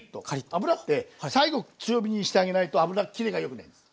油って最後強火にしてあげないと油切れがよくないです。